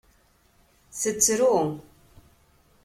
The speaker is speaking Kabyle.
Tettru.